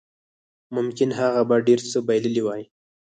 ممکن هغه به ډېر څه بایللي وای